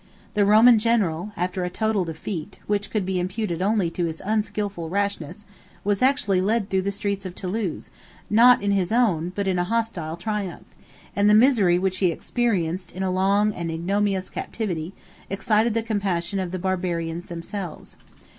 The Roman general, after a total defeat, which could be imputed only to his unskilful rashness, was actually led through the streets of Thoulouse, not in his own, but in a hostile triumph; and the misery which he experienced, in a long and ignominious captivity, excited the compassion of the Barbarians themselves.